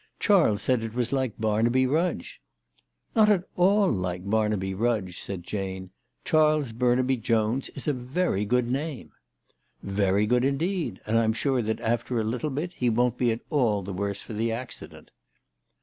Charles said it was like Barnaby Rudge." " Not at all like Barnaby Rudge," said Jane ;" Charles Burnaby Jones is a very good name." " Yery good indeed, and I'm sure that after a little bit he won't be at all the worse for the accident."